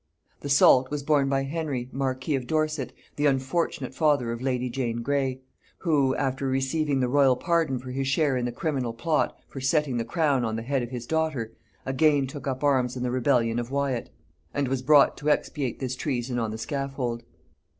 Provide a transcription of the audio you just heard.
The salt was borne by Henry marquis of Dorset, the unfortunate father of lady Jane Grey; who, after receiving the royal pardon for his share in the criminal plot for setting the crown on the head of his daughter, again took up arms in the rebellion of Wyat, and was brought to expiate this treason on the scaffold.